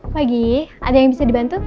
pagi ada yang bisa dibantu